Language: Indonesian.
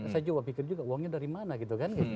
saya juga pikir juga uangnya dari mana gitu kan